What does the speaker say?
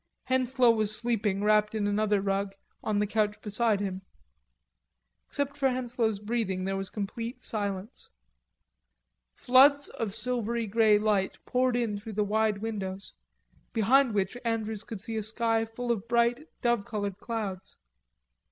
Henslowe was sleeping, wrapped in another rug, on the couch beside him. Except for Henslowe's breathing, there was complete silence. Floods of silvery grey light poured in through the wide windows, behind which Andrews could see a sky full of bright dove colored clouds.